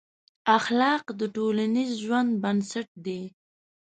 اخلاق د ټولنیز ژوند بنسټ دی.